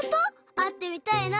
あってみたいな。